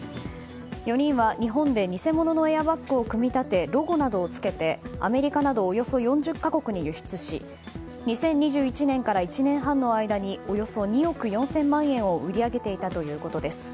４人は日本で偽物のエアバッグを組み立てロゴなどをつけてアメリカなどおよそ４０か国に輸出し２０２１年から１年半の間におよそ２億４０００万円を売り上げていたということです。